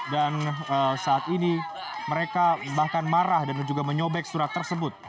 dan saat ini mereka bahkan marah dan juga menyobek surat tersebut